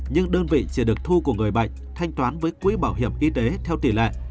nhưng đơn vị chỉ được thu của người bệnh thanh toán với quỹ bảo hiểm y tế theo tỷ lệ